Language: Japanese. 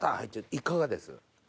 いかがです？